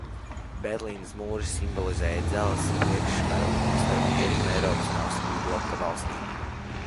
Berlīnes mūris simbolizēja Dzelzs priekškaru starp Rietumeiropas un Austrumu bloka valstīm.